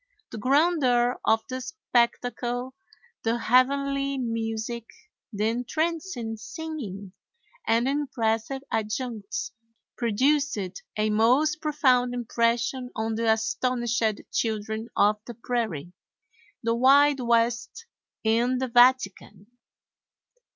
The grandeur of the spectacle, the heavenly music, the entrancing singing, and impressive adjuncts produced a most profound impression on the astonished children of the prairie. The Wild West in the Vatican!